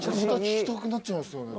聞きたくなっちゃいますよね。